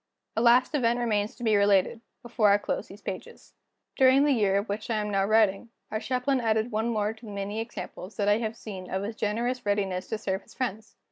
A last event remains to be related, before I close these pages. During the year of which I am now writing, our Chaplain added one more to the many examples that I have seen of his generous readiness to serve his friends.